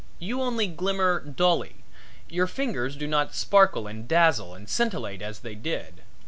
You only glimmer dully your fingers do not sparkle and dazzle and scintillate as they did.